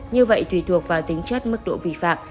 như vậy tùy thuộc vào tính chất mức độ vi phạm